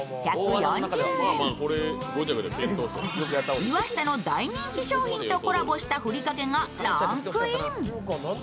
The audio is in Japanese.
岩下の大人気商品とコラボしたふりかけがランクイン。